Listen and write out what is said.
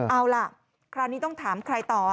เอาล่ะคราวนี้ต้องถามใครต่อ